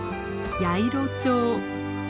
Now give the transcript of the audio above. ヤイロチョウ。